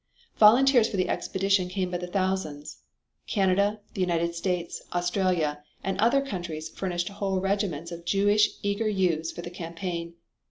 Volunteers for the expedition came by the thousands. Canada, the United States, Australia and other countries furnished whole regiments of Jewish youths eager for the campaign.